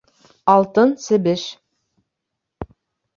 Алтын себеш